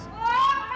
oh mama suka